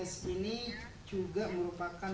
s ini juga merupakan